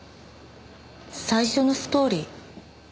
最初のストーリー？